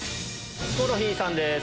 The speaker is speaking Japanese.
ヒコロヒーさんです。